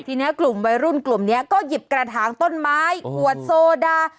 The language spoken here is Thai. ทีนี้กลุ่มวัยรุ่นกลุ่มนี้ก็หยิบกระถางต้นไม้ขวดโซดา